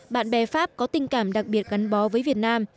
bạn bè pháp có tình cảm đặc biệt gắn bó với việt nam